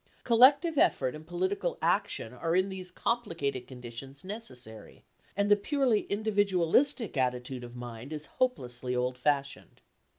Collective effort and political action are in these complicated conditions necessary, and the purely individualistic attitude of mind is hopelessly old fashioned.